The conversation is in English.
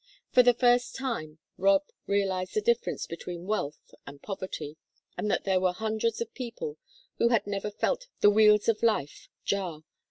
For the first time Rob realized the difference between wealth and poverty, and that there were hundreds of people who had never felt the wheels of life jar.